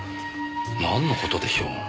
なんの事でしょう？